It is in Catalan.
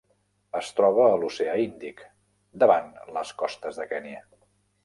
Es troba a l'oceà Índic: davant les costes de Kenya.